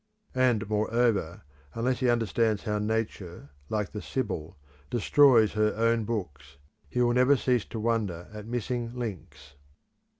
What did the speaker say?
And, moreover, unless he understands how Nature, like the Sibyl, destroys her own books, he will never cease to wonder at missing links.